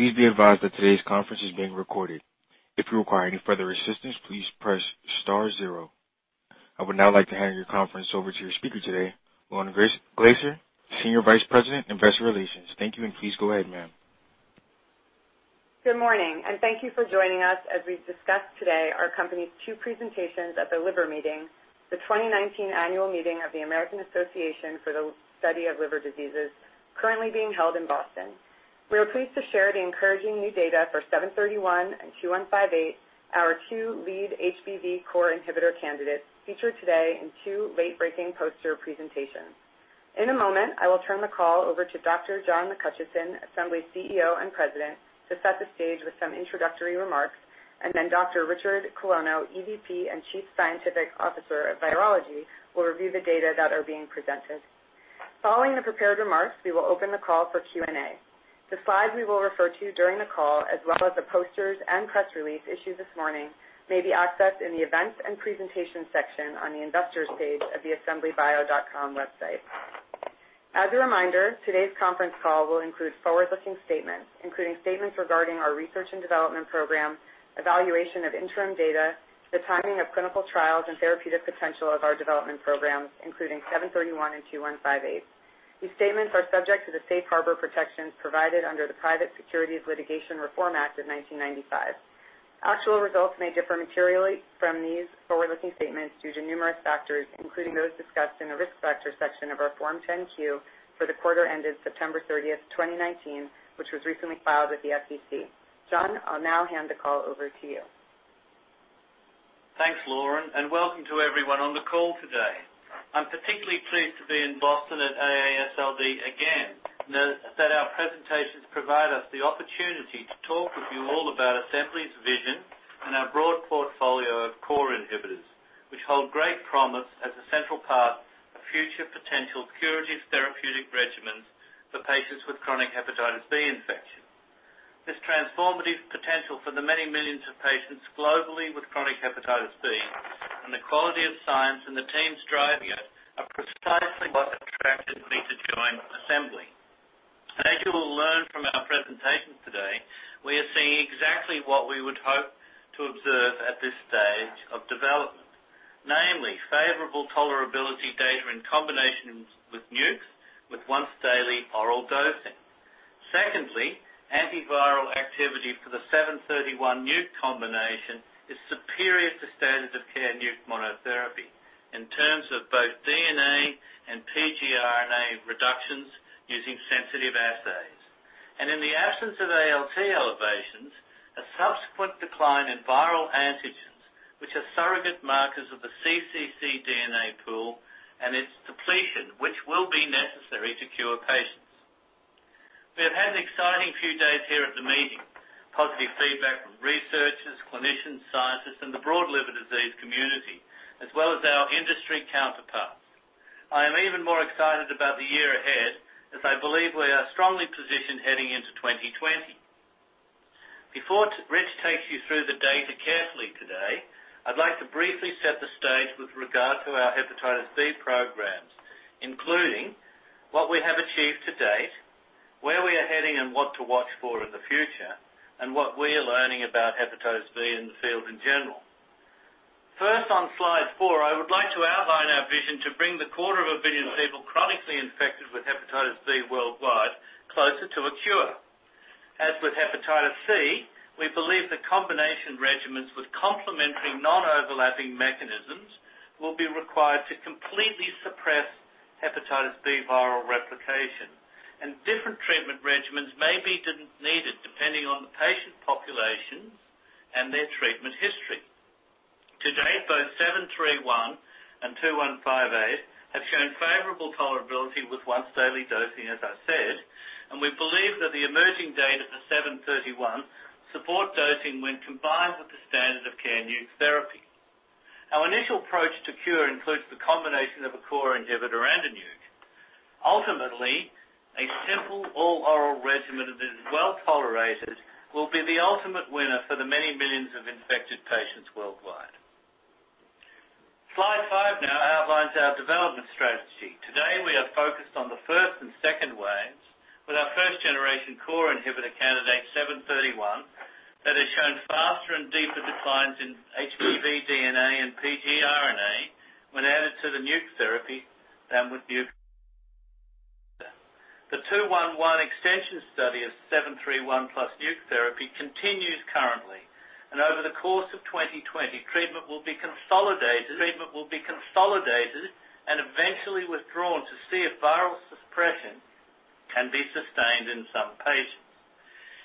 Please be advised that today's conference is being recorded. If you require any further assistance, please press star zero. I would now like to hand your conference over to your speaker today, Lauren Glaser, Senior Vice President, Investor Relations. Thank you, and please go ahead, ma'am. Good morning, and thank you for joining us as we discuss today our company's two presentations at The Liver Meeting, the 2019 annual meeting of the American Association for the Study of Liver Diseases, currently being held in Boston. We are pleased to share the encouraging new data for ABI-H0731 and ABI-H2158, our two lead HBV core inhibitor candidates featured today in two late-breaking poster presentations. In a moment, I will turn the call over to Dr. John McHutchison, Assembly CEO and President, to set the stage with some introductory remarks. Then Dr. Richard Colonno, EVP and Chief Scientific Officer of Virology, will review the data that are being presented. Following the prepared remarks, we will open the call for Q&A. The slides we will refer to during the call, as well as the posters and press release issued this morning, may be accessed in the Events and Presentation section on the Investors page of the assemblybio.com website. As a reminder, today's conference call will include forward-looking statements, including statements regarding our research and development program, evaluation of interim data, the timing of clinical trials, and therapeutic potential of our development programs, including ABI-H0731 and ABI-H2158. These statements are subject to the safe harbor protections provided under the Private Securities Litigation Reform Act of 1995. Actual results may differ materially from these forward-looking statements due to numerous factors, including those discussed in the Risk Factor section of our Form 10-Q for the quarter ended September 30th, 2019, which was recently filed with the SEC. John, I'll now hand the call over to you. Thanks, Lauren, and welcome to everyone on the call today. Note that our presentations provide us the opportunity to talk with you all about Assembly's vision and our broad portfolio of core inhibitors, which hold great promise as a central part of future potential curative therapeutic regimens for patients with chronic hepatitis B infection. This transformative potential for the many millions of patients globally with chronic hepatitis B and the quality of science and the teams driving it are precisely what attracted me to join Assembly. As you will learn from our presentation today, we are seeing exactly what we would hope to observe at this stage of development, namely favorable tolerability data in combination with NUCs with once daily oral dosing. Antiviral activity for the 731 NUC combination is superior to standard of care NUC monotherapy in terms of both DNA and pgRNA reductions using sensitive assays. In the absence of ALT elevations, a subsequent decline in viral antigens, which are surrogate markers of the cccDNA pool and its depletion, which will be necessary to cure patients. We have had an exciting few days here at The Liver Meeting. Positive feedback from researchers, clinicians, scientists, and the broad liver disease community, as well as our industry counterparts. I am even more excited about the year ahead as I believe we are strongly positioned heading into 2020. Before Rich takes you through the data carefully today, I'd like to briefly set the stage with regard to our hepatitis B programs, including what we have achieved to date, where we are heading and what to watch for in the future, and what we are learning about hepatitis B in the field in general. First, on slide four, I would like to outline our vision to bring the quarter of a billion people chronically infected with hepatitis B worldwide closer to a cure. As with hepatitis C, we believe that combination regimens with complementary, non-overlapping mechanisms will be required to completely suppress hepatitis B viral replication, and different treatment regimens may be needed depending on the patient populations and their treatment history. To date, both 731 and 2158 have shown favorable tolerability with once-daily dosing, as I said, and we believe that the emerging data for 731 support dosing when combined with the standard of care NUC therapy. Our initial approach to cure includes the combination of a core inhibitor and a NUC. Ultimately, a simple all-oral regimen that is well-tolerated will be the ultimate winner for the many millions of infected patients worldwide. Slide five now outlines our development strategy. Today, we are focused on the first and second waves with our first-generation core inhibitor candidate, 731, that has shown faster and deeper declines in HBV DNA and pgRNA when added to the NUC therapy than with NUC. The 211 extension study of 731 plus NUC therapy continues currently. Over the course of 2020, treatment will be consolidated and eventually withdrawn to see if viral suppression can be sustained in some patients.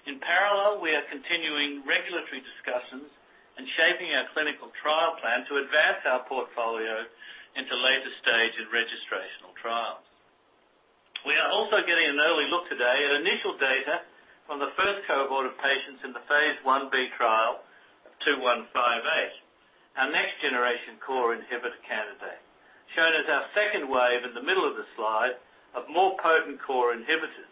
In parallel, we are continuing regulatory discussions and shaping our clinical trial plan to advance our portfolio into later stage in registrational trials. We are also getting an early look today at initial data from the first cohort of patients in the phase 1-B trial of 2158, our next-generation core inhibitor candidate, shown as our second wave in the middle of the slide of more potent core inhibitors.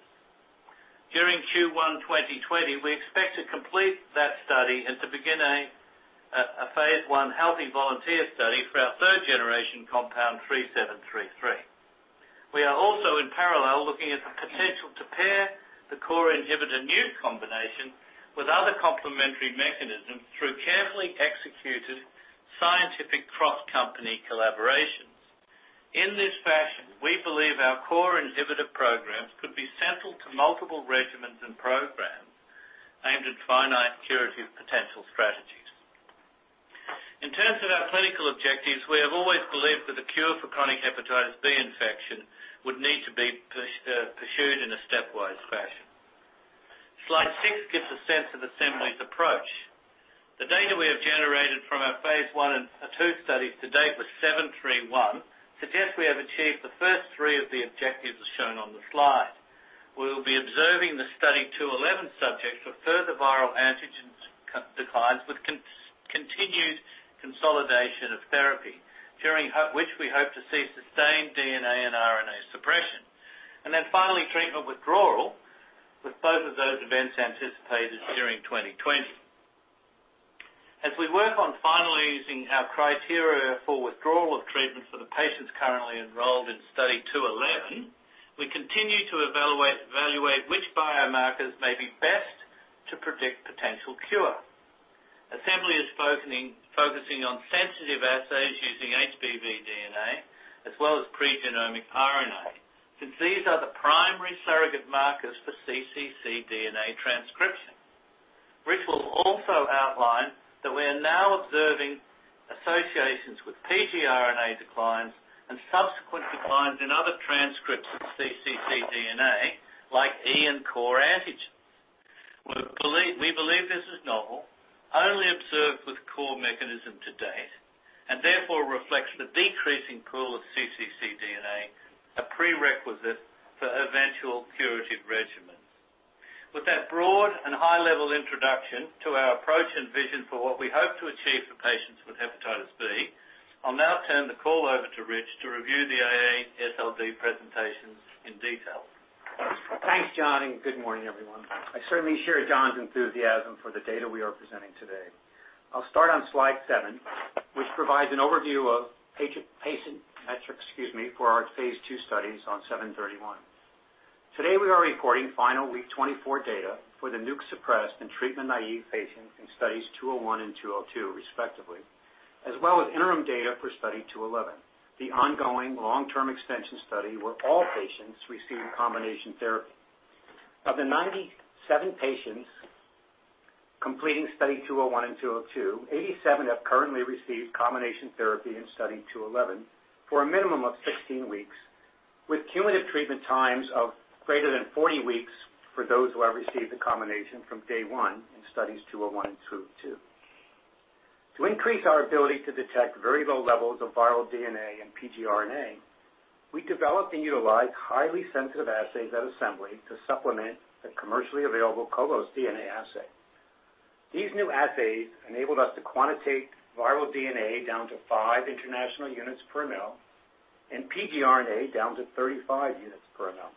During Q1 2020, we expect to complete that study and to begin a phase I healthy volunteer study for our third generation compound 3733. We are also in parallel looking at the potential to pair the core inhibitor NUC combination with other complementary mechanisms through carefully executed scientific cross-company collaborations. In this fashion, we believe our core inhibitor programs could be central to multiple regimens and programs aimed at finite curative potential strategies. In terms of our clinical objectives, we have always believed that the cure for chronic hepatitis B infection would need to be pursued in a stepwise fashion. Slide six gives a sense of Assembly's approach. The data we have generated from our phase I and II studies to date with ABI-H0731 suggest we have achieved the first three of the objectives as shown on the slide. We will be observing the Study 211 subjects for further viral antigens declines with continued consolidation of therapy, during which we hope to see sustained DNA and RNA suppression. Finally, treatment withdrawal with both of those events anticipated during 2020. As we work on finalizing our criteria for withdrawal of treatment for the patients currently enrolled in Study 211, we continue to evaluate which biomarkers may be best to predict potential cure. Assembly is focusing on sensitive assays using HBV DNA as well as pregenomic RNA, since these are the primary surrogate markers for cccDNA transcription. Rich will also outline that we are now observing associations with pgRNA declines and subsequent declines in other transcripts of cccDNA like HBeAg and HBcAg. We believe this is novel, only observed with core mechanism to date, and therefore reflects the decreasing pool of cccDNA, a prerequisite for eventual curative regimen. With that broad and high-level introduction to our approach and vision for what we hope to achieve for patients with hepatitis B, I'll now turn the call over to Rich to review the AASLD presentations in detail. Thanks, John. Good morning, everyone. I certainly share John's enthusiasm for the data we are presenting today. I'll start on slide seven, which provides an overview of patient metrics, excuse me, for our phase II studies on 731. Today, we are reporting final week 24 data for the NUC-suppressed and treatment-naive patients in Study 201 and Study 202 respectively, as well as interim data for Study 211, the ongoing long-term extension study where all patients received combination therapy. Of the 97 patients completing Study 201 and Study 202, 87 have currently received combination therapy in Study 211 for a minimum of 16 weeks, with cumulative treatment times of greater than 40 weeks for those who have received the combination from day one in Study 201 and Study 202. To increase our ability to detect very low levels of viral DNA and pgRNA, we developed and utilize highly sensitive assays at Assembly to supplement the commercially available cobas DNA assay. These new assays enabled us to quantitate viral DNA down to five international units per ml and pgRNA down to 35 units per ml.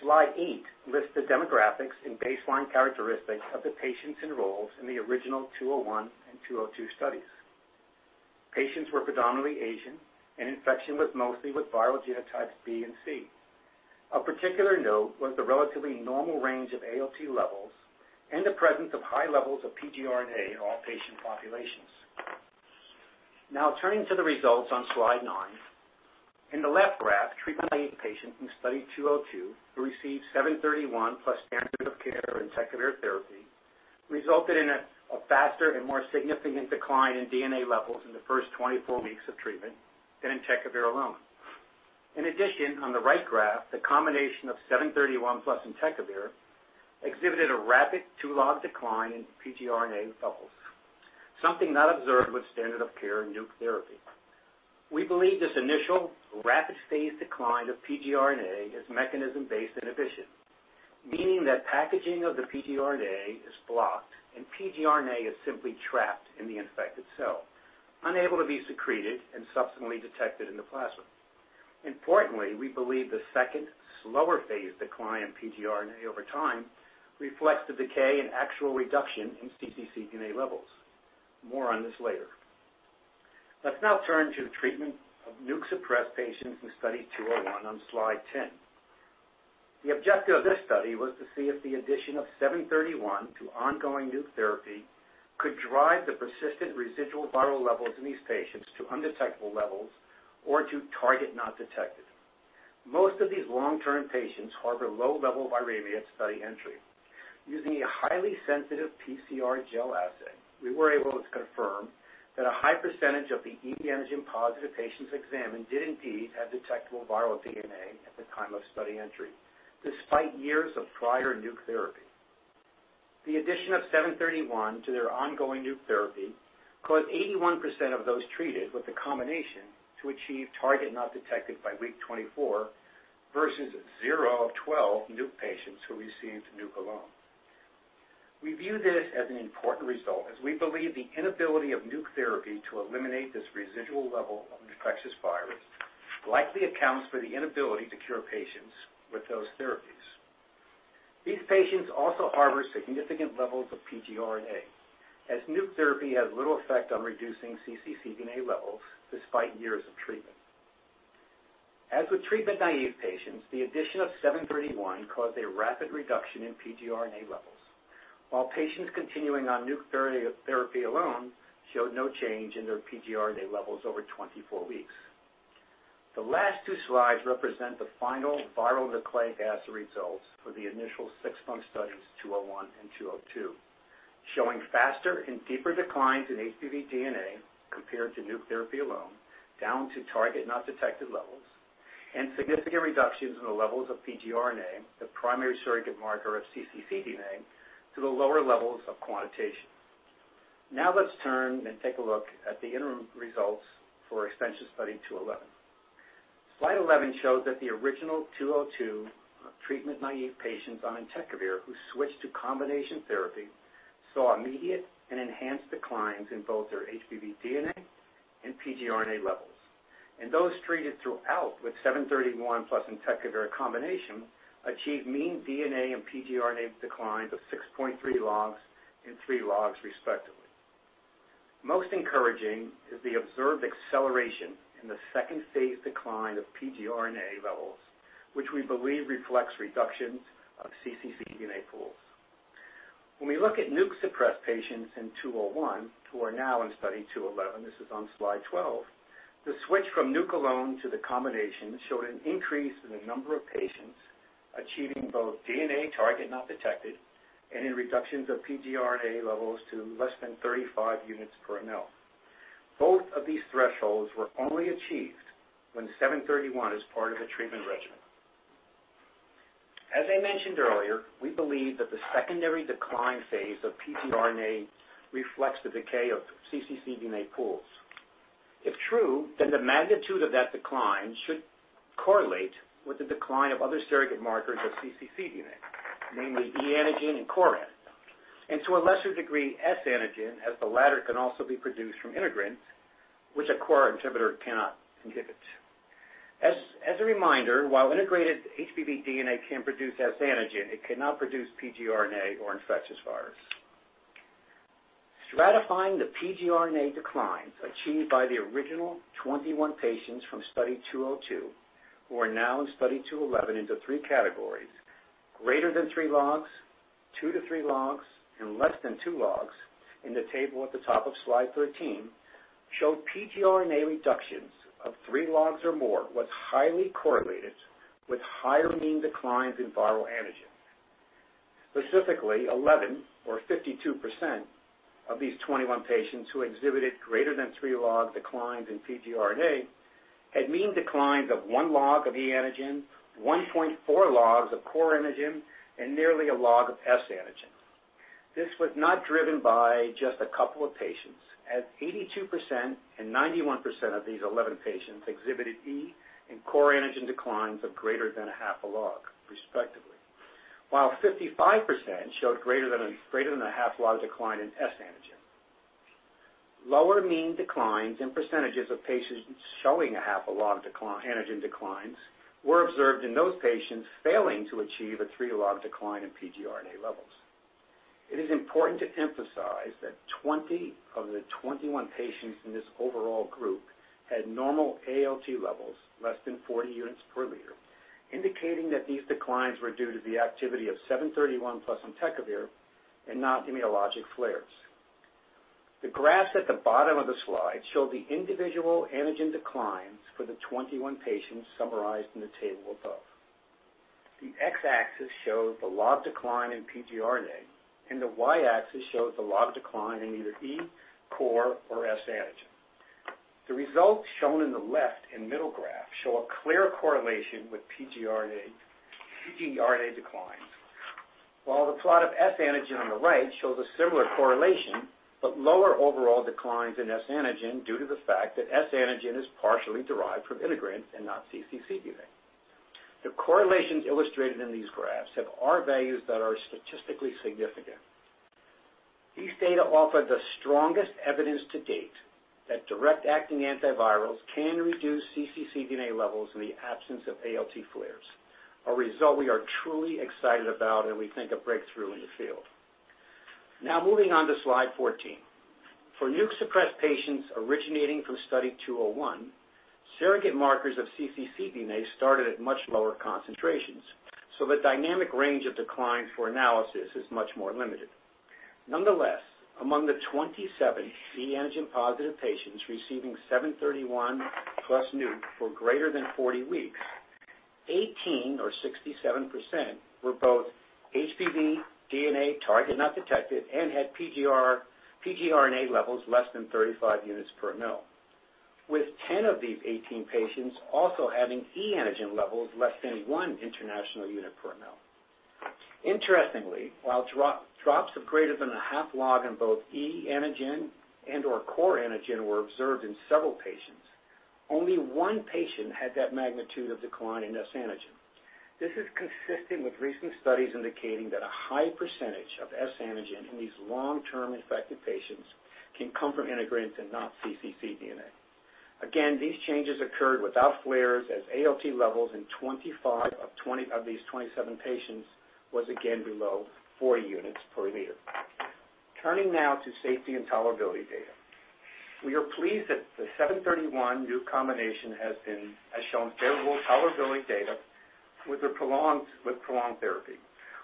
Slide eight lists the demographics and baseline characteristics of the patients enrolled in the original Study 201 and Study 202 studies. Patients were predominantly Asian, and infection was mostly with viral genotypes B and C. Of particular note was the relatively normal range of ALT levels and the presence of high levels of pgRNA in all patient populations. Now turning to the results on slide nine. In the left graph, treatment-naive patients in Study 202 who received 731 plus standard of care entecavir therapy resulted in a faster and more significant decline in DNA levels in the first 24 weeks of treatment than entecavir alone. In addition, on the right graph, the combination of 731 plus entecavir exhibited a rapid 2-log decline in pgRNA levels, something not observed with standard of care in NUC therapy. We believe this initial rapid phase decline of pgRNA is mechanism-based inhibition, meaning that packaging of the pgRNA is blocked, and pgRNA is simply trapped in the infected cell, unable to be secreted and subsequently detected in the plasma. Importantly, we believe the second slower phase decline in pgRNA over time reflects the decay and actual reduction in cccDNA levels. More on this later. Let's now turn to the treatment of NUC suppressed patients in Study 201 on slide 10. The objective of this study was to see if the addition of 731 to ongoing NUC therapy could drive the persistent residual viral levels in these patients to undetectable levels or to target not detected. Most of these long-term patients harbor low level viremia at study entry. Using a highly sensitive PCR gel assay, we were able to confirm that a high percentage of the HBeAg-positive patients examined did indeed have detectable HBV DNA at the time of study entry, despite years of prior NUC therapy. The addition of 731 to their ongoing NUC therapy caused 81% of those treated with the combination to achieve target not detected by week 24 versus 0 of 12 NUC patients who received NUC alone. We view this as an important result as we believe the inability of NUC therapy to eliminate this residual level of infectious virus likely accounts for the inability to cure patients with those therapies. These patients also harbor significant levels of pgRNA, as NUC therapy has little effect on reducing cccDNA levels despite years of treatment. As with treatment-naive patients, the addition of 731 caused a rapid reduction in pgRNA levels, while patients continuing on NUC therapy alone showed no change in their pgRNA levels over 24 weeks. The last two slides represent the final viral nucleic acid results for the initial six-month studies-201 and 202, showing faster and deeper declines in HBV DNA compared to NUC therapy alone, down to target not detected levels, and significant reductions in the levels of pgRNA, the primary surrogate marker of cccDNA, to the lower levels of quantitation. Now let's turn and take a look at the interim results for extension Study 211. Slide 11 shows that the original 202 treatment-naive patients on entecavir who switched to combination therapy saw immediate and enhanced declines in both their HBV DNA and pgRNA levels. Those treated throughout with 731 plus entecavir combination achieved mean DNA and pgRNA declines of 6.3 logs and three logs, respectively. Most encouraging is the observed acceleration in the second phase decline of pgRNA levels, which we believe reflects reductions of cccDNA pools. When we look at NUCs-suppressed patients in Study 201 who are now in Study 211, this is on slide 12, the switch from NUCs alone to the combination showed an increase in the number of patients achieving both DNA target not detected and in reductions of pgRNA levels to less than 35 units per ml. Both of these thresholds were only achieved when 731 is part of the treatment regimen. As I mentioned earlier, we believe that the secondary decline phase of pgRNA reflects the decay of cccDNA pools. If true, then the magnitude of that decline should correlate with the decline of other surrogate markers of cccDNA, namely e-antigen and core antigen, and to a lesser degree S antigen, as the latter can also be produced from integrants, which a core inhibitor cannot inhibit. As a reminder, while integrated HBV DNA can produce S antigen, it cannot produce pgRNA or infectious virus. Stratifying the pgRNA declines achieved by the original 21 patients from Study 202, who are now in Study 211 into 3 categories, greater than 3 logs, 2-3 logs, and less than 2 logs, in the table at the top of slide 13, showed pgRNA reductions of 3 logs or more was highly correlated with higher mean declines in viral antigens. Specifically, 11 or 52% of these 21 patients who exhibited greater than 3 log declines in pgRNA had mean declines of 1 log of HBeAg, 1.4 logs of HBcAg, and nearly 1 log of HBsAg. This was not driven by just a couple of patients, as 82% and 91% of these 11 patients exhibited HBeAg and HBcAg declines of greater than a 0.5 log, respectively. 55% showed greater than a 0.5 log decline in HBsAg. Lower mean declines in percentages of patients showing a half a log antigen declines were observed in those patients failing to achieve a three-log decline in pgRNA levels. It is important to emphasize that 20 of the 21 patients in this overall group had normal ALT levels less than 40 units per liter, indicating that these declines were due to the activity of ABI-H0731 plus entecavir and not immunologic flares. The graphs at the bottom of the slide show the individual antigen declines for the 21 patients summarized in the table above. The x-axis shows the log decline in pgRNA, and the y-axis shows the log decline in either e, core, or S antigen. The results shown in the left and middle graph show a clear correlation with pgRNA declines, while the plot of S antigen on the right shows a similar correlation but lower overall declines in S antigen due to the fact that S antigen is partially derived from integrants and not cccDNA. The correlations illustrated in these graphs have R values that are statistically significant. These data offer the strongest evidence to date that direct-acting antivirals can reduce cccDNA levels in the absence of ALT flares, a result we are truly excited about and we think a breakthrough in the field. Moving on to slide 14. For NUC-suppressed patients originating from Study 201, surrogate markers of cccDNA started at much lower concentrations, the dynamic range of decline for analysis is much more limited. Nonetheless, among the 27 HBeAg positive patients receiving 731 plus NUC for greater than 40 weeks, 18 or 67% were both HBV DNA target not detected and had pgRNA levels less than 35 units per ml. With 10 of these 18 patients also having HBeAg levels less than one international unit per ml. Interestingly, while drops of greater than a half log in both HBeAg and/or HBcAg were observed in several patients, only one patient had that magnitude of decline in HBsAg. This is consistent with recent studies indicating that a high percentage of HBsAg in these long-term infected patients can come from integrants and not cccDNA. Again, these changes occurred without flares as ALT levels in 25 of these 27 patients was again below 40 units per liter. Turning now to safety and tolerability data. We are pleased that the 731 nuc combination has shown favorable tolerability data with prolonged therapy.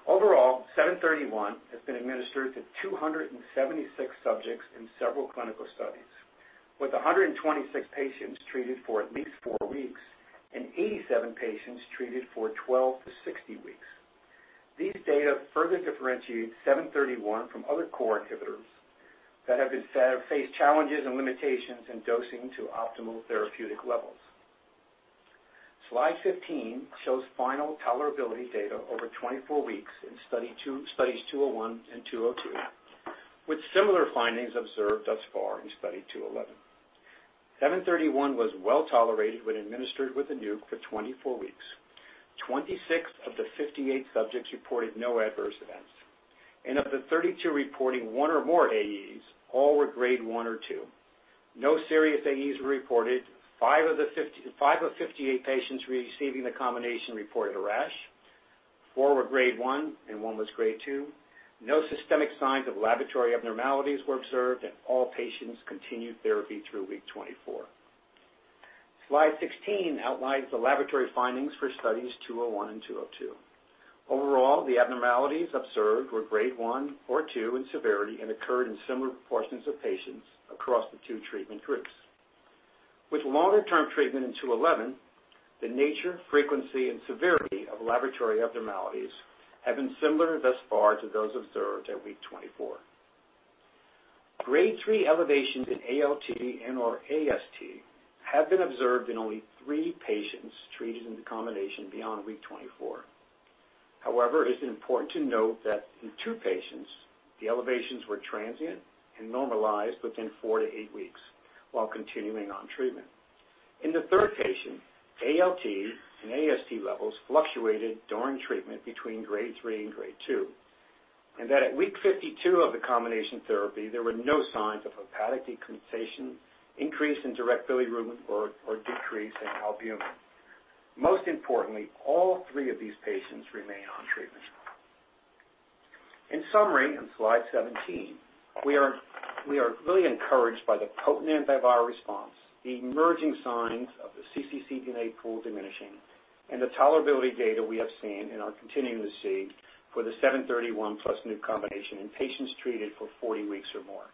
Overall, 731 has been administered to 276 subjects in several clinical studies, with 126 patients treated for at least four weeks and 87 patients treated for 12 to 60 weeks. These data further differentiate 731 from other core inhibitors that have faced challenges and limitations in dosing to optimal therapeutic levels. Slide 15 shows final tolerability data over 24 weeks in Study 201 and Study 202, with similar findings observed thus far in Study 211. 731 was well-tolerated when administered with a nuc for 24 weeks. 26 of the 58 subjects reported no adverse events. Of the 32 reporting one or more AEs, all were Grade 1 or 2. No serious AEs were reported. Five of 58 patients receiving the combination reported a rash, 4 were Grade 1, and 1 was Grade 2. No systemic signs of laboratory abnormalities were observed, and all patients continued therapy through week 24. Slide 16 outlines the laboratory findings for Study 201 and Study 202. Overall, the abnormalities observed were Grade 1 or 2 in severity and occurred in similar proportions of patients across the two treatment groups. With longer-term treatment in Study 211, the nature, frequency, and severity of laboratory abnormalities have been similar thus far to those observed at week 24. Grade 3 elevations in ALT and/or AST have been observed in only three patients treated with the combination beyond week 24. It is important to note that in two patients, the elevations were transient and normalized within four to eight weeks while continuing on treatment. In the third patient, ALT and AST levels fluctuated during treatment between Grade 3 and Grade 2. At week 52 of the combination therapy, there were no signs of hepatic decompensation, increase in direct bilirubin, or decrease in albumin. Most importantly, all three of these patients remain on treatment. In summary, on slide 17, we are really encouraged by the potent antiviral response, the emerging signs of the cccDNA pool diminishing, and the tolerability data we have seen and are continuing to see for the 731 plus nuc combination in patients treated for 40 weeks or more.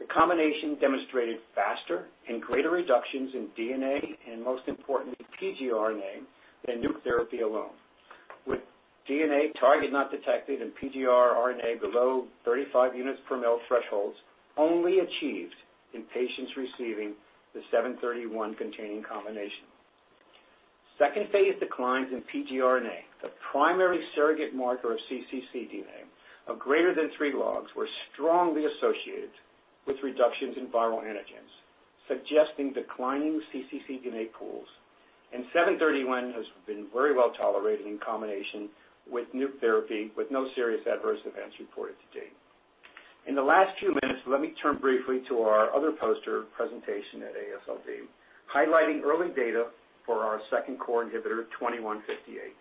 The combination demonstrated faster and greater reductions in DNA and, most importantly, pgRNA than nuc therapy alone, with DNA target not detected and pgRNA below 35 units per ml thresholds only achieved in patients receiving the 731-containing combination. Second-phase declines in pgRNA, the primary surrogate marker of cccDNA, of greater than three logs were strongly associated with reductions in viral antigens, suggesting declining cccDNA pools. 731 has been very well-tolerated in combination with NUC therapy, with no serious adverse events reported to date. In the last few minutes, let me turn briefly to our other poster presentation at AASLD, highlighting early data for our second core inhibitor, 2158,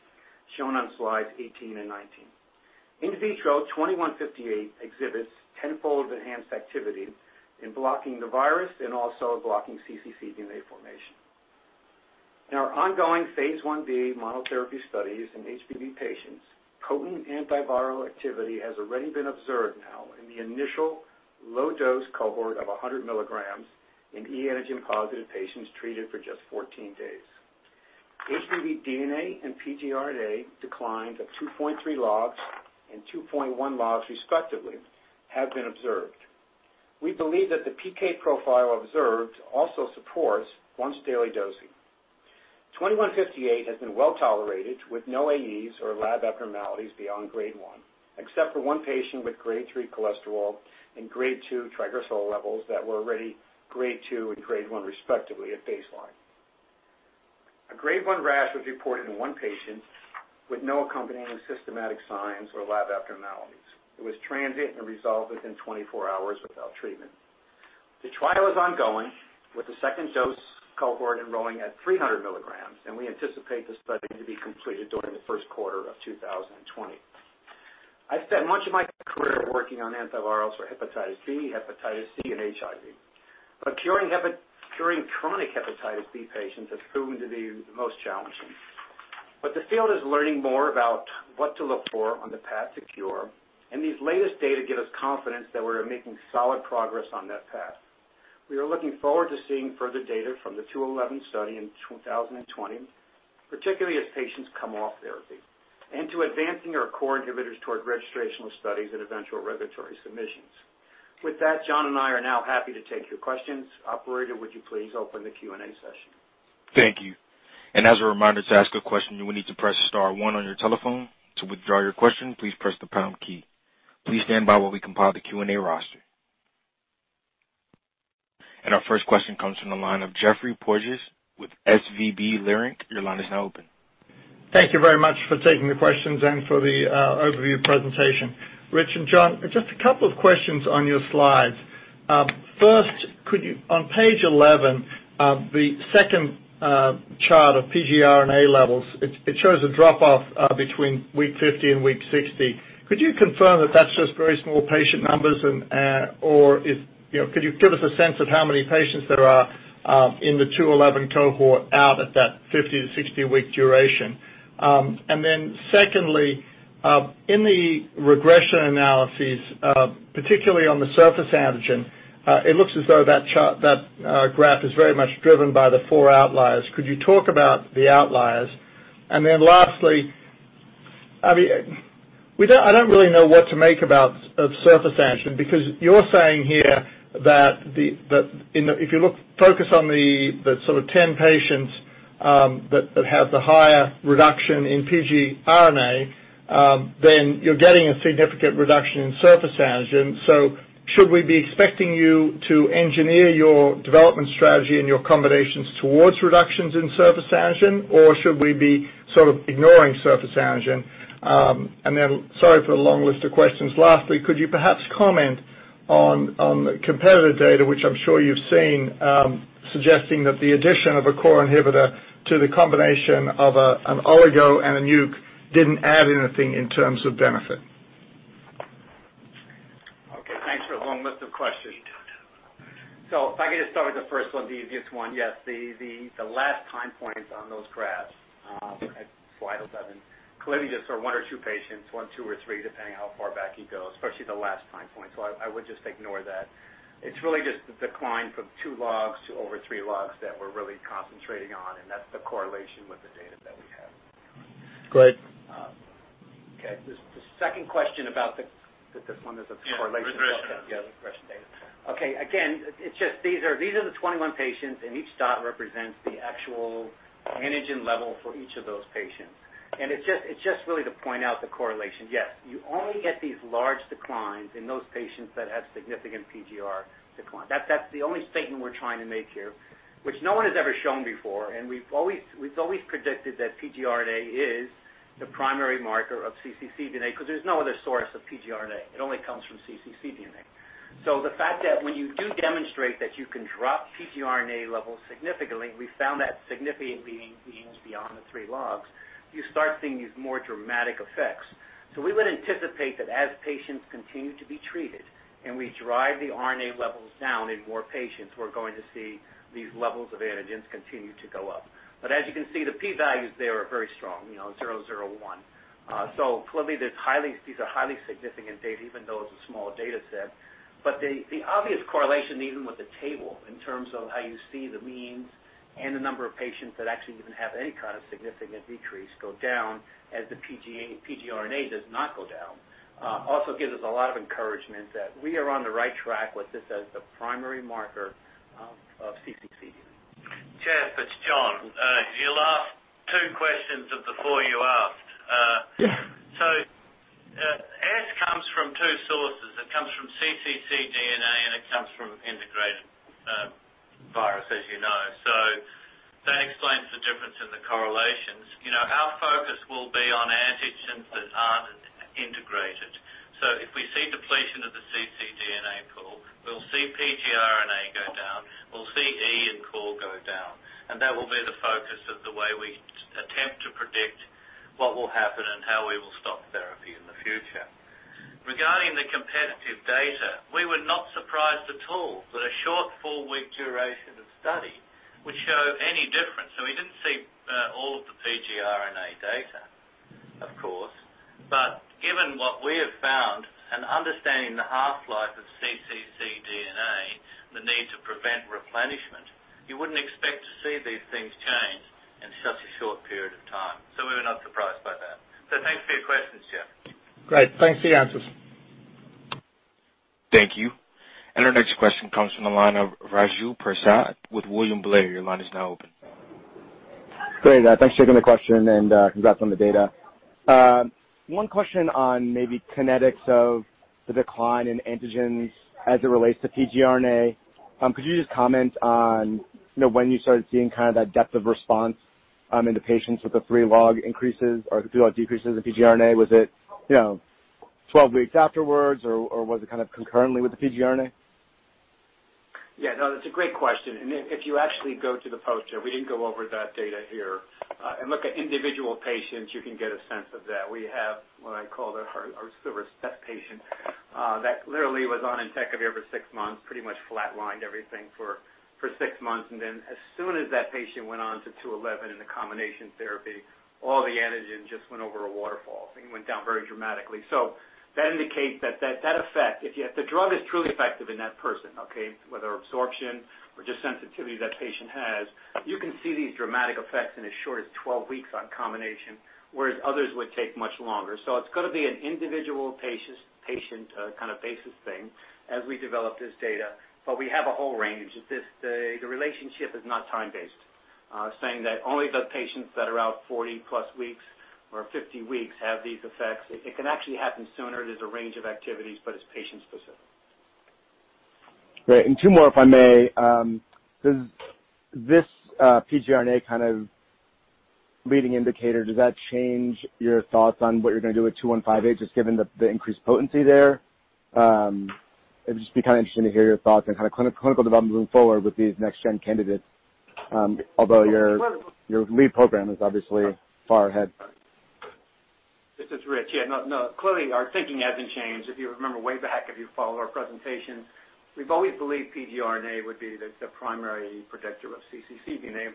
shown on slides 18 and 19. In vitro, 2158 exhibits 10-fold enhanced activity in blocking the virus and also blocking cccDNA formation. In our ongoing phase I-B monotherapy studies in HBV patients, potent antiviral activity has already been observed now in the initial low-dose cohort of 100 milligrams in HBeAg-positive patients treated for just 14 days. HBV DNA and pgRNA declines of 2.3 logs and 2.1 logs, respectively, have been observed. We believe that the PK profile observed also supports once-daily dosing. 2158 has been well-tolerated, with no AEs or lab abnormalities beyond Grade 1, except for one patient with Grade 3 cholesterol and Grade 2 triglyceride levels that were already Grade 2 and Grade 1, respectively, at baseline. A Grade 1 rash was reported in one patient with no accompanying systematic signs or lab abnormalities. It was transient and resolved within 24 hours without treatment. The trial is ongoing, with the second dose cohort enrolling at 300 milligrams, and we anticipate the study to be completed during the first quarter of 2020. I've spent much of my career working on antivirals for hepatitis B, hepatitis C, and HIV, but curing chronic hepatitis B patients has proven to be the most challenging. The field is learning more about what to look for on the path to cure, and these latest data give us confidence that we're making solid progress on that path. We are looking forward to seeing further data from the Study 211 in 2020, particularly as patients come off therapy, and to advancing our core inhibitors toward registrational studies and eventual regulatory submissions. With that, John and I are now happy to take your questions. Operator, would you please open the Q&A session? Thank you. As a reminder, to ask a question, you will need to press star one on your telephone. To withdraw your question, please press the pound key. Please stand by while we compile the Q&A roster. Our first question comes from the line of Geoffrey Porges with SVB Leerink. Your line is now open. Thank you very much for taking the questions and for the overview presentation. Rich and John, just a couple of questions on your slides. First, on page 11, the second chart of pgRNA levels, it shows a drop-off between week 50 and week 60. Could you confirm that that's just very small patient numbers, or could you give us a sense of how many patients there are in the 211 cohort out at that 50 to 60 week duration? Secondly, in the regression analyses, particularly on the surface antigen, it looks as though that graph is very much driven by the four outliers. Could you talk about the outliers? Lastly, I don't really know what to make about surface antigen, because you're saying here that if you focus on the sort of 10 patients that have the higher reduction in pgRNA, you're getting a significant reduction in surface antigen. Should we be expecting you to engineer your development strategy and your combinations towards reductions in surface antigen, or should we be sort of ignoring surface antigen? Sorry for the long list of questions. Lastly, could you perhaps comment on the competitive data, which I'm sure you've seen, suggesting that the addition of a core inhibitor to the combination of an oligo and a NUC didn't add anything in terms of benefit? Okay, thanks for the long list of questions. If I could just start with the first one, the easiest one. Yes, the last time points on those graphs, slide 11, clearly just sort of one or two patients, one, two or three, depending how far back you go, especially the last time point. I would just ignore that. It's really just the decline from two logs to over three logs that we're really concentrating on, and that's the correlation with the data that we have. Great. Okay, the second question about This one is a correlation. Regression. Yeah, regression data. Okay. Again, these are the 21 patients, and each dot represents the actual antigen level for each of those patients. It's just really to point out the correlation. Yes, you only get these large declines in those patients that have significant pgRNA decline. That's the only statement we're trying to make here, which no one has ever shown before. We've always predicted that pgRNA is the primary marker of cccDNA because there's no other source of pgRNA. It only comes from cccDNA. The fact that when you do demonstrate that you can drop pgRNA levels significantly, we found that significant being beyond the 3 logs, you start seeing these more dramatic effects. We would anticipate that as patients continue to be treated, and we drive the RNA levels down in more patients, we're going to see these levels of antigens continue to go up. As you can see, the P values there are very strong, you know, 0.001. Clearly, these are highly significant data, even though it's a smaller data set. The obvious correlation, even with the table, in terms of how you see the means and the number of patients that actually even have any kind of significant decrease go down as the pgRNA does not go down, also gives us a lot of encouragement that we are on the right track with this as the primary marker of cccDNA. Jeff, it's John. Your last two questions of the four you asked. Yeah. S comes from two sources. It comes from cccDNA, and it comes from integrated virus, as you know. That explains the difference in the correlations. Our focus will be on antigens that aren't integrated. If we see depletion of the cccDNA core, we'll see pgRNA go down, we'll see E and core go down, and that will be the focus of the way we attempt to predict what will happen and how we will stop therapy in the future. Regarding the competitive data, we were not surprised at all that a short four-week duration of study would show any difference. We didn't see all of the pgRNA data, of course. Given what we have found and understanding the half-life of cccDNA, the need to prevent replenishment, you wouldn't expect to see these things change in such a short period of time. We were not surprised by that. Thanks for your questions, Jeff. Great. Thanks for the answers. Thank you. Our next question comes from the line of Raju Prasad with William Blair. Your line is now open. Great. Thanks for taking the question and congrats on the data. One question on maybe kinetics of the decline in antigens as it relates to pgRNA. Could you just comment on when you started seeing kind of that depth of response in the patients with the 3 log decreases in pgRNA? Was it 12 weeks afterwards, or was it kind of concurrently with the pgRNA? Yeah, no, that's a great question. If you actually go to the poster, we didn't go over that data here, and look at individual patients, you can get a sense of that. We have what I call our silver step patient that literally was on entecavir for six months, pretty much flatlined everything for six months, and then as soon as that patient went on to Study 211 in the combination therapy, all the antigen just went over a waterfall and went down very dramatically. That indicates that effect, if the drug is truly effective in that person, okay, whether absorption or just sensitivity that patient has, you can see these dramatic effects in as short as 12 weeks on combination, whereas others would take much longer. It's got to be an individual patient kind of basis thing as we develop this data, but we have a whole range. The relationship is not time-based, saying that only the patients that are out 40 plus weeks or 50 weeks have these effects. It can actually happen sooner. There's a range of activities, but it's patient specific. Great. Two more, if I may. Does this pgRNA leading indicator, does that change your thoughts on what you're going to do with ABI-H2158, just given the increased potency there? It'd just be interesting to hear your thoughts on clinical development moving forward with these next-gen candidates. Although your lead program is obviously far ahead. This is Rich. Yeah, no, clearly our thinking hasn't changed. If you remember way back, if you followed our presentation, we've always believed pgRNA would be the primary predictor of cccDNA.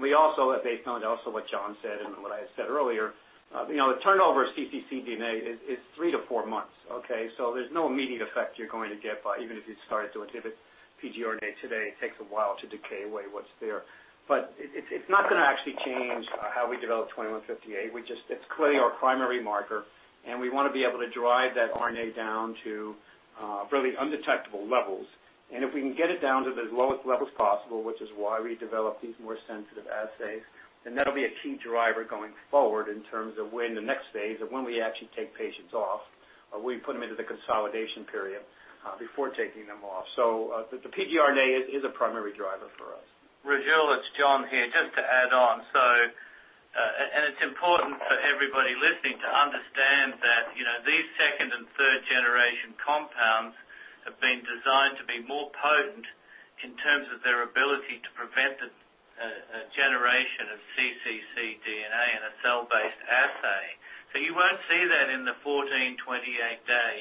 We also, based on also what John said and what I said earlier, the turnover of cccDNA is three to four months. Okay? There's no immediate effect you're going to get by, even if you started to inhibit pgRNA today. It takes a while to decay away what's there. It's not going to actually change how we develop ABI-H2158. It's clearly our primary marker, and we want to be able to drive that RNA down to really undetectable levels. If we can get it down to the lowest levels possible, which is why we develop these more sensitive assays, then that'll be a key driver going forward in terms of when the next phase, of when we actually take patients off, or we put them into the consolidation period before taking them off. The pgRNA is a primary driver for us. Raju, it's John here, just to add on. It's important for everybody listening to understand that these second and third-generation compounds have been designed to be more potent in terms of their ability to prevent the generation of cccDNA in a cell-based assay. You won't see that in the 14, 28-day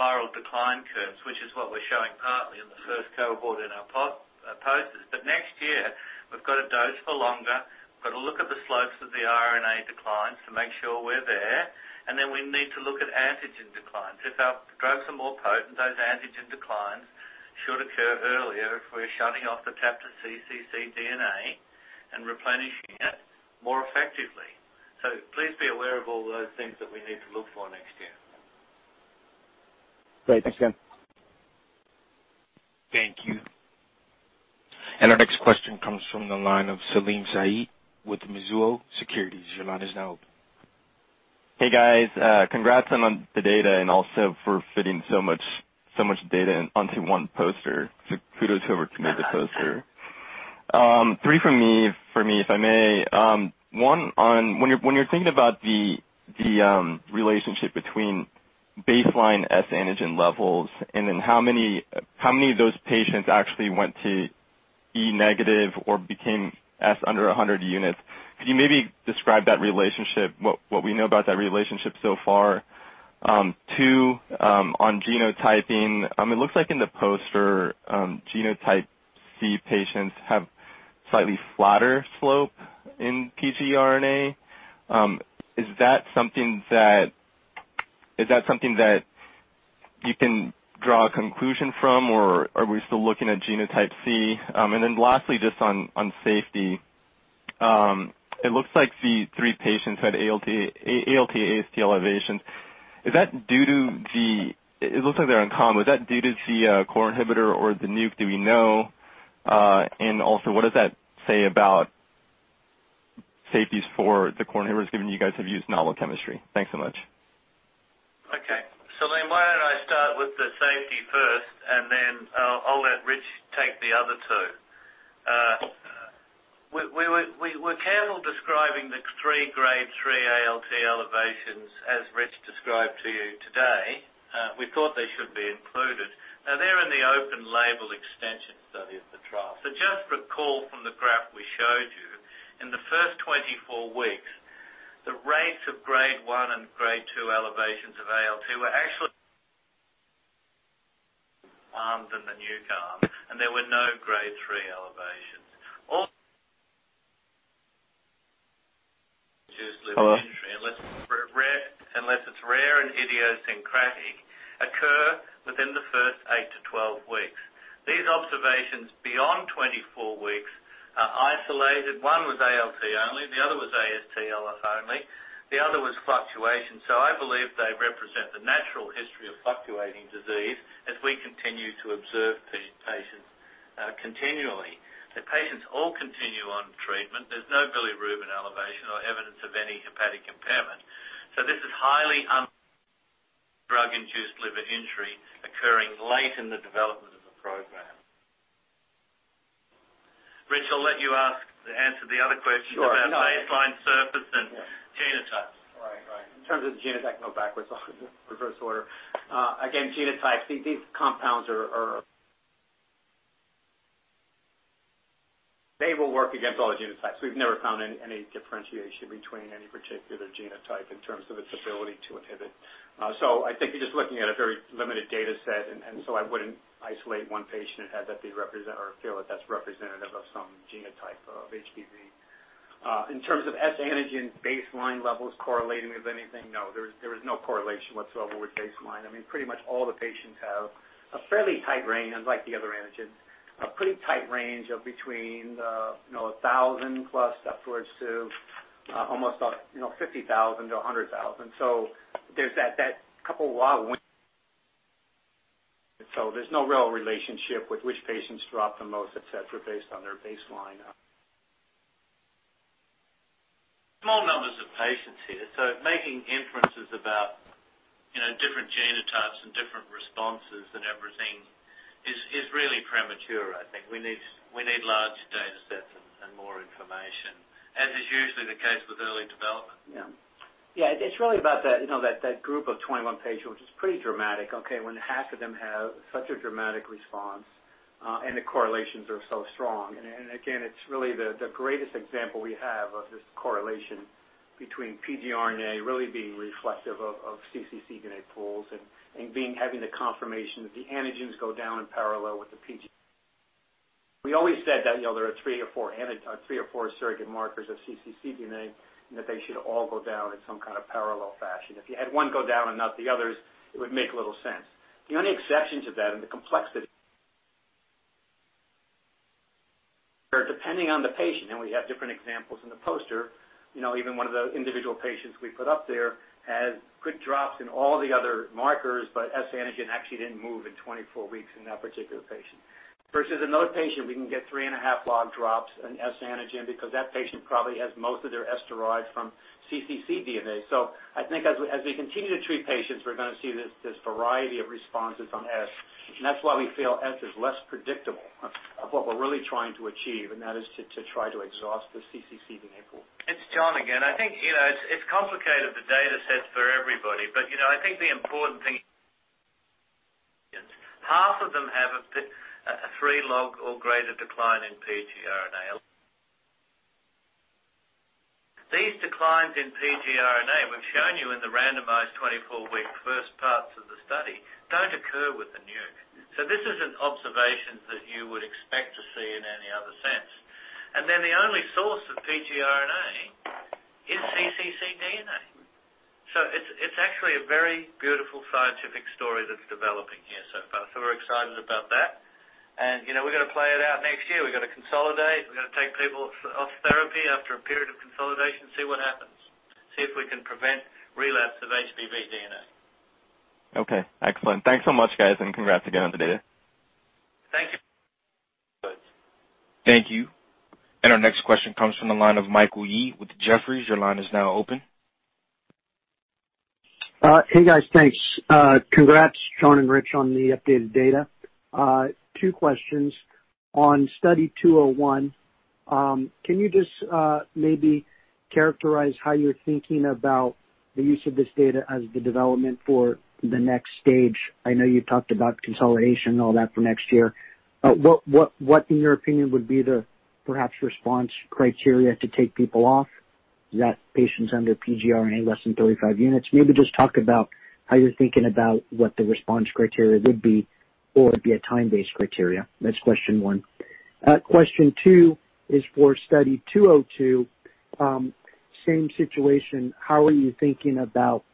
viral decline curves, which is what we're showing partly in the first cohort in our posters. Next year, we've got to dose for longer, we've got to look at the slopes of the RNA declines to make sure we're there, and then we need to look at antigen declines. If our drugs are more potent, those antigen declines should occur earlier if we're shutting off the tap to cccDNA and replenishing it more effectively. Please be aware of all those things that we need to look for next year. Great. Thanks, John. Thank you. Our next question comes from the line of Salim Syed with Mizuho Securities. Your line is now open. Hey, guys. Congrats on the data and also for fitting so much data onto one poster. Kudos whoever committed the poster. Three from me, if I may. One on when you're thinking about the relationship between baseline HBsAg levels and then how many of those patients actually went to E negative or became HBsAg under 100 units, could you maybe describe that relationship, what we know about that relationship so far? Two, on genotyping, it looks like in the poster, genotype C patients have slightly flatter slope in pgRNA. Is that something that you can draw a conclusion from, or are we still looking at genotype C? Lastly, just on safety. It looks like the three patients had ALT/AST elevations. It looks like they're uncommon. Was that due to the core inhibitor or the NUC, do we know? Also, what does that say about safeties for the core inhibitors, given you guys have used novel chemistry? Thanks so much. Okay. Salim, why don't I start with the safety first, then I'll let Rich take the other two. We were careful describing the three Grade 3 ALT elevations as Rich described to you today. We thought they should be included. They're in the open label extension study of the trial. Just recall from the graph we showed you, in the first 24 weeks, the rates of Grade 1 and Grade 2 elevations of ALT were actually than the Nuc arm, and there were no Grade 3 elevations. Hello? induced liver injury, unless it's rare and idiosyncratic, occur within the first 8-12 weeks. These observations beyond 24 weeks are isolated. One was ALT only, the other was AST only, the other was fluctuation. I believe they represent the natural history of fluctuating disease as we continue to observe these patients continually. The patients all continue on treatment. There's no bilirubin elevation or evidence of any hepatic impairment. This is highly un- drug-induced liver injury occurring late in the development of the program. Rich, I'll let you answer the other question. Sure about baseline surface and genotypes. Right. In terms of the genotype, I can go backwards. I'll do reverse order. Again, genotypes, these compounds are. They will work against all the genotypes. We've never found any differentiation between any particular genotype in terms of its ability to inhibit. I think you're just looking at a very limited data set, and so I wouldn't isolate one patient and feel that that's representative of some genotype of HBV. In terms of S antigen baseline levels correlating with anything, no, there is no correlation whatsoever with baseline. Pretty much all the patients have a fairly tight range, unlike the other antigens, a pretty tight range of between 1,000 plus upwards to almost 50,000 to 100,000. There's that couple of wild. There's no real relationship with which patients drop the most, et cetera, based on their baseline. Small numbers of patients here. Making inferences about different genotypes and different responses and everything is really premature, I think. We need larger data sets and more information, as is usually the case with early development. Yeah. It's really about that group of 21 patients, which is pretty dramatic, okay, when half of them have such a dramatic response. The correlations are so strong. Again, it's really the greatest example we have of this correlation between pgRNA really being reflective of cccDNA pools and having the confirmation that the antigens go down in parallel with the pg. We always said that there are three or four surrogate markers of cccDNA, and that they should all go down in some kind of parallel fashion. If you had one go down and not the others, it would make little sense. The only exceptions to that and the complexity are depending on the patient, and we have different examples in the poster. Even one of the individual patients we put up there had quick drops in all the other markers, S-antigen actually didn't move in 24 weeks in that particular patient. Versus another patient, we can get 3.5 log drops in S-antigen because that patient probably has most of their S-antigen from cccDNA. I think as we continue to treat patients, we're going to see this variety of responses on S. That's why we feel S is less predictable of what we're really trying to achieve, and that is to try to exhaust the cccDNA pool. It's John again. I think it's complicated, the data sets for everybody. I think the important thing Half of them have a three log or greater decline in pgRNA. These declines in pgRNA we've shown you in the randomized 24-week first parts of the study, don't occur with the nuke. This isn't observations that you would expect to see in any other sense. The only source of pgRNA is cccDNA. It's actually a very beautiful scientific story that's developing here so far. We're excited about that. We're going to play it out next year. We're going to consolidate. We're going to take people off therapy after a period of consolidation and see what happens, see if we can prevent relapse of HBV DNA. Okay, excellent. Thanks so much, guys, and congrats again on the data. Thank you. Thank you. Our next question comes from the line of Michael Yee with Jefferies. Your line is now open. Hey, guys. Thanks. Congrats, John and Rich, on the updated data. Two questions. On Study 201, can you just maybe characterize how you're thinking about the use of this data as the development for the next stage? I know you talked about consolidation and all that for next year. What in your opinion would be the perhaps response criteria to take people off? Is that patients under pgRNA less than 35 units? Maybe just talk about how you're thinking about what the response criteria would be or be a time-based criteria. That's question one. Question two is for Study 202. Same situation. How are you thinking about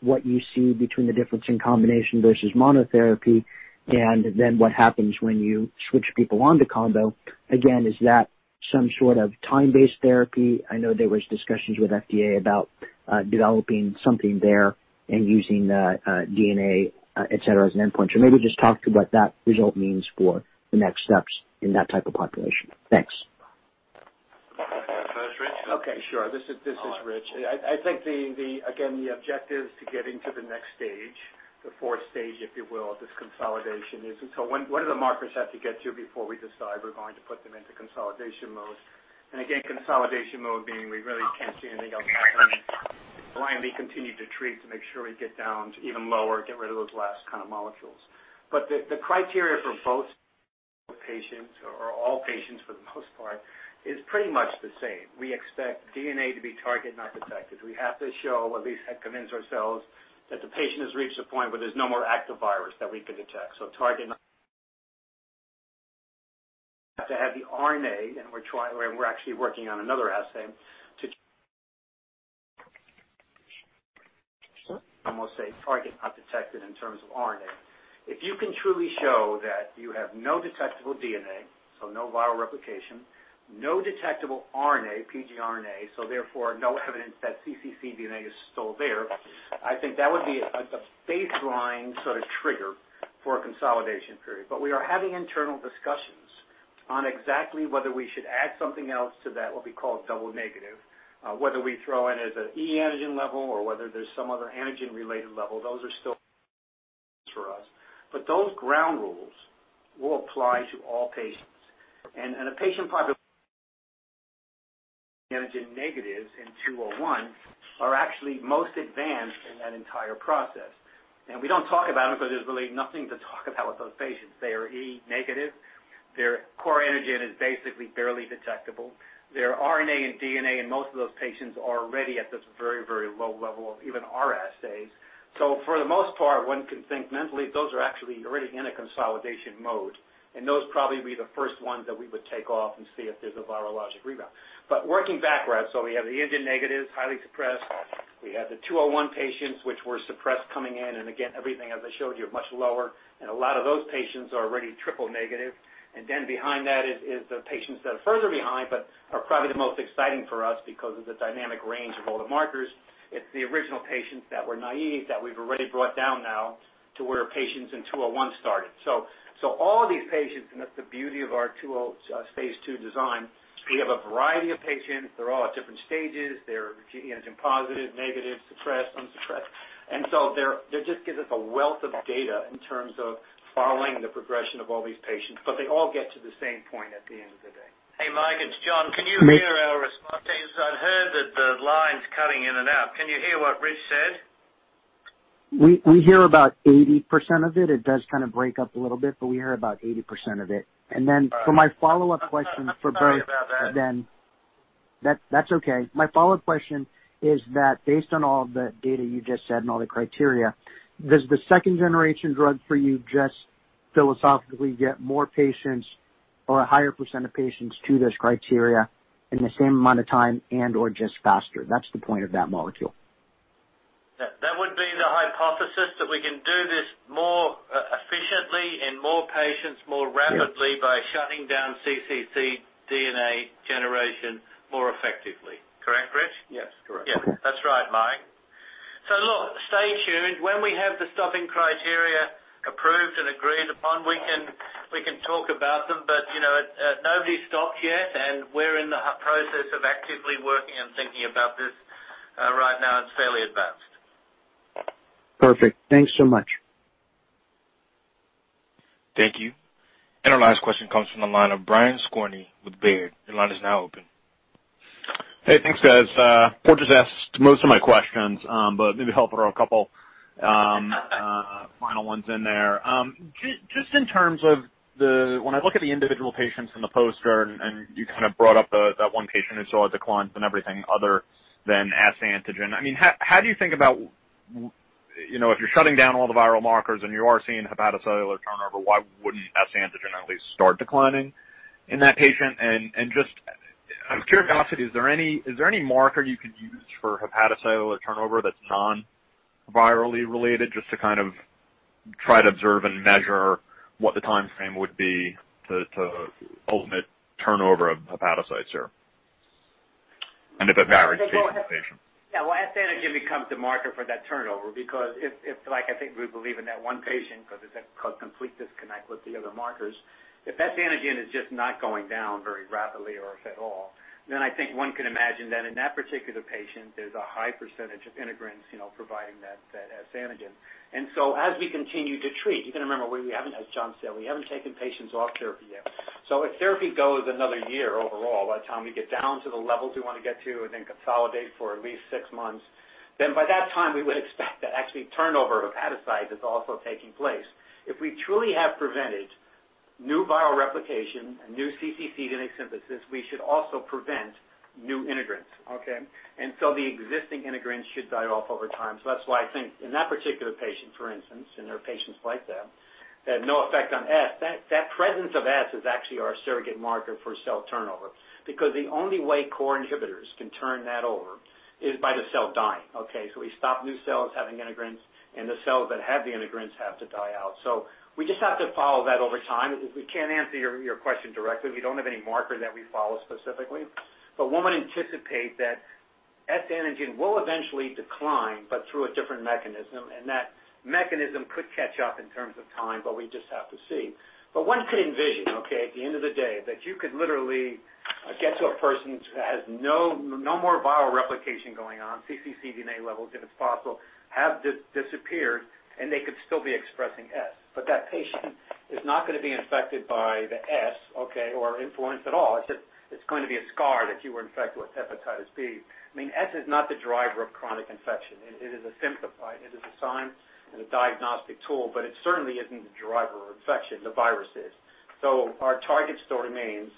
what you see between the difference in combination versus monotherapy and then what happens when you switch people onto combo? Again, is that some sort of time-based therapy? I know there was discussions with FDA about developing something there and using DNA, et cetera, as an endpoint. Maybe just talk to what that result means for the next steps in that type of population. Thanks. First, Rich? Okay, sure. This is Rich. I think, again, the objective is to get into the next stage, the 4th stage, if you will, of this consolidation. What do the markers have to get to before we decide we're going to put them into consolidation mode? Again, consolidation mode being we really can't see anything else happening. Why we continue to treat to make sure we get down to even lower, get rid of those last kind of molecules. The criteria for both patients or all patients for the most part, is pretty much the same. We expect DNA to be target not detected. We have to show, at least convince ourselves that the patient has reached a point where there's no more active virus that we could detect. Target to have the RNA, and we're actually working on another assay, and we'll say target not detected in terms of RNA. If you can truly show that you have no detectable DNA, so no viral replication, no detectable RNA, pgRNA, so therefore, no evidence that cccDNA is still there, I think that would be a baseline sort of trigger for a consolidation period. We are having internal discussions on exactly whether we should add something else to that, what we call double negative, whether we throw in as an E-antigen level or whether there's some other antigen-related level. Those are still for us. Those ground rules will apply to all patients. A patient antigen negatives in 201 are actually most advanced in that entire process. We don't talk about them because there's really nothing to talk about with those patients. They are HBeAg negative. Their HBcAg is basically barely detectable. Their pgRNA and HBV DNA in most of those patients are already at this very, very low level of even our assays. For the most part, one can think mentally, those are actually already in a consolidation mode, and those would probably be the first ones that we would take off and see if there's a virologic rebound. Working backwards, we have the HBsAg negatives, highly suppressed. We have the Study 201 patients which were suppressed coming in. Again, everything as I showed you, much lower, and a lot of those patients are already triple negative. Behind that is the patients that are further behind but are probably the most exciting for us because of the dynamic range of all the markers. It's the original patients that were naive that we've already brought down now to where patients in 201 started. All of these patients, and that's the beauty of our phase II design, we have a variety of patients. They're all at different stages. They're antigen positive, negative, suppressed, unsuppressed. They just give us a wealth of data in terms of following the progression of all these patients, but they all get to the same point at the end of the day. Hey, Mike, it's John. Can you hear our response? I heard that the line's cutting in and out. Can you hear what Rich said? We hear about 80% of it. It does kind of break up a little bit, but we hear about 80% of it. For my follow-up question for both. Sorry about that. That's okay. My follow-up question is that based on all the data you just said and all the criteria, does the second-generation drug for you just philosophically get more patients or a higher % of patients to this criteria in the same amount of time and/or just faster? That's the point of that molecule. That would be the hypothesis, that we can do this more efficiently in more patients more rapidly. Yes by shutting down cccDNA generation more effectively. Correct, Rich? Yes, correct. Yes, that's right, Mike. Look, stay tuned. When we have the stopping criteria approved and agreed upon, we can talk about them, but nobody's stopped yet, and we're in the process of actively working and thinking about this right now. It's fairly advanced. Perfect. Thanks so much. Thank you. Our last question comes from the line of Brian Skorney with Baird. Your line is now open. Hey, thanks, guys. Porges asked most of my questions. Maybe help throw a couple final ones in there. Just in terms of when I look at the individual patients in the poster and you kind of brought up that one patient who saw a decline in everything other than HBsAg. How do you think about if you're shutting down all the viral markers and you are seeing hepatocellular turnover, why wouldn't HBsAg at least start declining in that patient? Just out of curiosity, is there any marker you could use for hepatocellular turnover that's non-virally related, just to kind of try to observe and measure what the timeframe would be to ultimate turnover of hepatocytes here and if it varies patient to patient? Well, S antigen becomes the marker for that turnover because if, like I think we believe in that one patient, because it's a complete disconnect with the other markers, if that antigen is just not going down very rapidly or if at all, then I think one can imagine that in that particular patient, there's a high percentage of integrants providing that S antigen. As we continue to treat, you can remember, as John said, we haven't taken patients off therapy yet. If therapy goes another year overall, by the time we get down to the levels we want to get to and then consolidate for at least six months, then by that time, we would expect that actually turnover of hepatocytes is also taking place. If we truly have prevented new viral replication and new cccDNA synthesis, we should also prevent new integrants. Okay. The existing integrants should die off over time. That's why I think in that particular patient, for instance, and there are patients like that, had no effect on S. That presence of S is actually our surrogate marker for cell turnover, because the only way core inhibitors can turn that over is by the cell dying. We stop new cells having integrants, and the cells that have the integrants have to die out. We just have to follow that over time. We can't answer your question directly. We don't have any marker that we follow specifically. One would anticipate that S antigen will eventually decline, but through a different mechanism, and that mechanism could catch up in terms of time, but we just have to see. One could envision, okay, at the end of the day, that you could literally get to a person who has no more viral replication going on, cccDNA levels, if it's possible, have disappeared, and they could still be expressing S. That patient is not going to be infected by the S or influenced at all. It's going to be a scar that you were infected with hepatitis B. S is not the driver of chronic infection. It is a symptom. It is a sign and a diagnostic tool, but it certainly isn't the driver of infection. The virus is. Our target still remains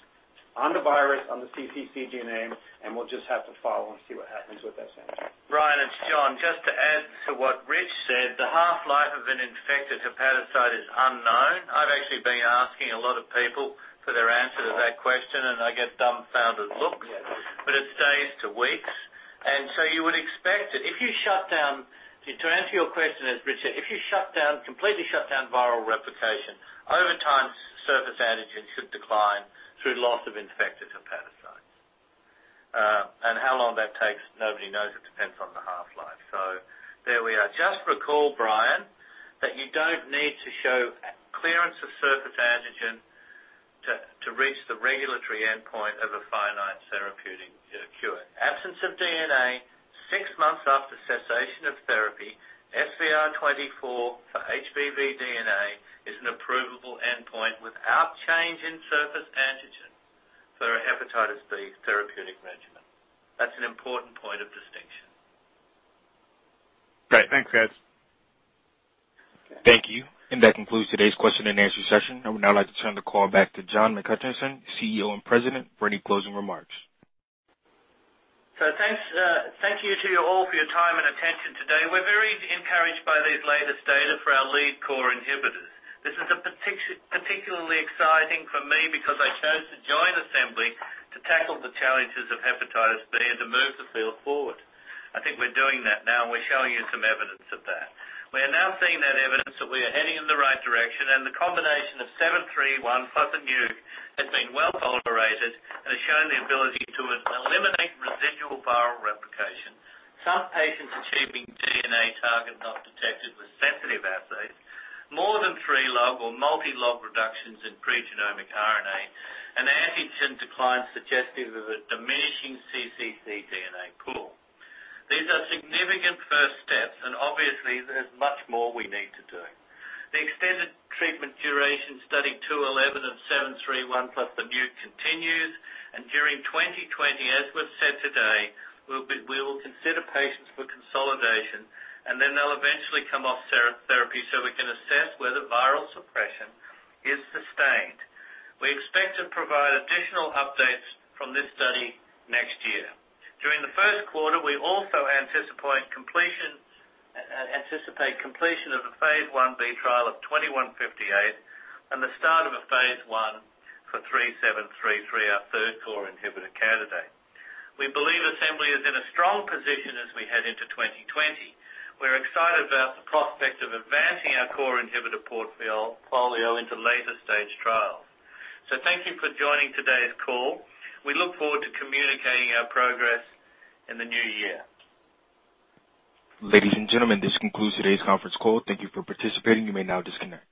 on the virus, on the cccDNA, and we'll just have to follow and see what happens with S antigen. Brian, it's John. Just to add to what Rich said, the half-life of an infected hepatocyte is unknown. I've actually been asking a lot of people for their answer to that question, and I get dumbfounded looks. Yes. It's days to weeks. You would expect it. To answer your question, as Rich said, if you completely shut down viral replication, over time, surface antigen should decline through loss of infected hepatocytes. How long that takes, nobody knows. It depends on the half-life. There we are. Just recall, Brian, that you don't need to show clearance of surface antigen to reach the regulatory endpoint of a finite therapeutic cure. Absence of DNA 6 months after cessation of therapy, SVR24 for HBV DNA is an approvable endpoint without change in surface antigen for a hepatitis B therapeutic regimen. That's an important point of distinction. Great. Thanks, guys. Thank you. That concludes today's question and answer session. I would now like to turn the call back to John McHutchison, CEO and President, for any closing remarks. Thank you to you all for your time and attention today. We're very encouraged by these latest data for our lead core inhibitors. This is particularly exciting for me because I chose to join Assembly to tackle the challenges of hepatitis B and to move the field forward. I think we're doing that now, and we're showing you some evidence of that. We are now seeing that evidence that we are heading in the right direction, and the combination of ABI-H0731 plus the NUC has been well-tolerated and has shown the ability to eliminate residual viral replication. Some patients achieving DNA target not detected with sensitive assays, more than 3 log or multi-log reductions in pregenomic RNA, and antigen decline suggestive of a diminishing cccDNA pool. These are significant first steps, and obviously there's much more we need to do. The extended treatment duration study 211 of ABI-H0731 plus the nuc continues. During 2020, as we've said today, we will consider patients for consolidation, and then they'll eventually come off therapy so we can assess whether viral suppression is sustained. We expect to provide additional updates from this study next year. During the first quarter, we also anticipate completion of the phase I-B trial of ABI-H2158 and the start of a phase I for ABI-H3733, our third core inhibitor candidate. We believe Assembly is in a strong position as we head into 2020. We're excited about the prospect of advancing our core inhibitor portfolio into later stage trials. Thank you for joining today's call. We look forward to communicating our progress in the new year. Ladies and gentlemen, this concludes today's conference call. Thank you for participating. You may now disconnect.